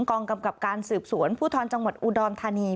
กองกำกับการสืบสวนภูทรจังหวัดอุดรธานี